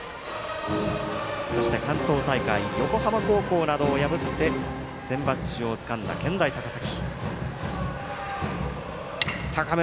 そして、関東大会横浜高校などを破ってセンバツ出場をつかんだ健大高崎。